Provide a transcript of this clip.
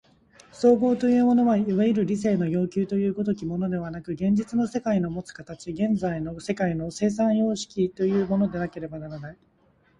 綜合というのはいわゆる理性の要求という如きものではなく、現実の世界のもつ形、現実の世界の生産様式というものでなければならない。